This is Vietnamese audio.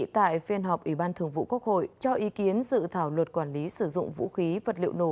tại phiên họp ủy ban thường vụ quốc hội cho ý kiến dự thảo luật quản lý sử dụng vũ khí vật liệu nổ